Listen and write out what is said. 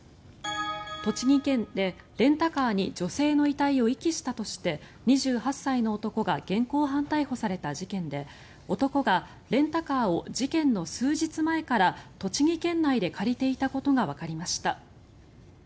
栃木県でレンタカーに女性の遺体を遺棄したとして２８歳の男が現行犯逮捕された事件で男がレンタカーを事件の数日前から栃木県内で借りていたことがわかりました。